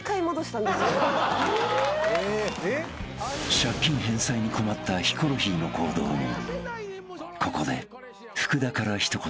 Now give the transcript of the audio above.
［借金返済に困ったヒコロヒーの行動にここで福田から一言］